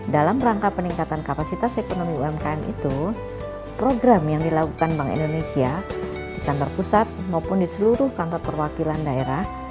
dalam rangka peningkatan kapasitas ekonomi umkm itu program yang dilakukan bank indonesia di kantor pusat maupun di seluruh kantor perwakilan daerah